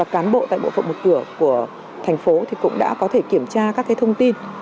cán bộ tại bộ phận một cửa của thành phố cũng đã có thể kiểm tra các thông tin